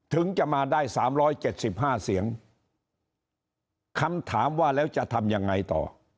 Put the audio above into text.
ถึงจะมาได้๓๗๕เสียงคำถามว่าแล้วจะทำยังไงต่อ